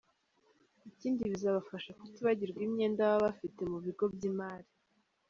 Ikindi bizabafasha kutibagirwa imyenda baba bafite mu bigo by’imari.